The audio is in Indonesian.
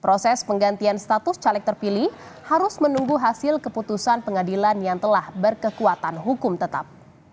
proses penggantian status caleg terpilih harus menunggu hasil keputusan pengadilan yang telah berkekuatan hukum tetap